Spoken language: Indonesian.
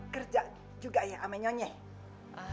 kerja juga ya sama nyonya